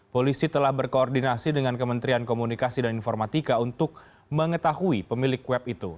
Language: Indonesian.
polisi telah berkoordinasi dengan kementerian komunikasi dan informatika untuk mengetahui pemilik web itu